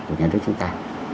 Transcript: của nhà nước chúng ta